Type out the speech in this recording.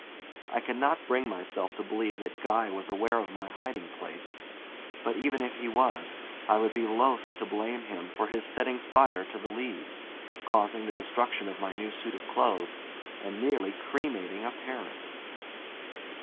I cannot bring myself to believe that Guy was aware of my hiding place, but even if he was, I would be loath to blame him for his setting fire to the leaves, causing the destruction of my new suit of clothes, and nearly cremating a parent.